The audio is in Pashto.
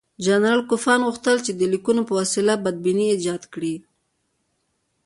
جنرال کوفمان غوښتل چې د لیکونو په وسیله بدبیني ایجاد کړي.